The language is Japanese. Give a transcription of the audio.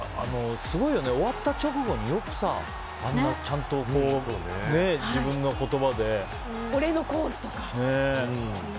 終わった直後によくあんなちゃんと俺のコースとか。